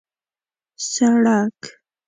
سړک